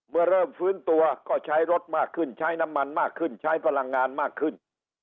เมื่อเริ่มฟื้นตัวก็ใช้รถมากขึ้นใช้น้ำมันมากขึ้นใช้พลังงานมากขึ้น